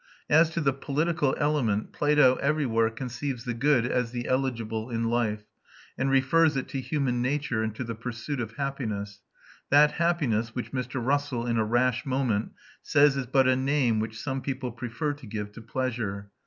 As to the political element, Plato everywhere conceives the good as the eligible in life, and refers it to human nature and to the pursuit of happiness that happiness which Mr. Russell, in a rash moment, says is but a name which some people prefer to give to pleasure.